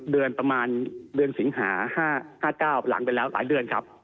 เดือนประมาณเดือนสิงหา๕๙หลังไปแล้วหลายเดือนครับ